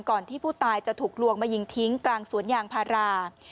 ที่ผู้ตายจะถูกลวงมายิงทิ้งกลางสวนยางพารา